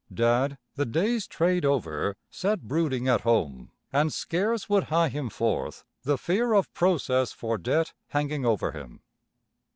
Dad, the day's trade over, sat brooding at home, and scarce would hie him forth, the fear of process for debt hanging over him.